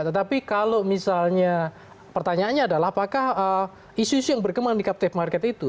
tetapi kalau misalnya pertanyaannya adalah apakah isu isu yang berkembang di captive market itu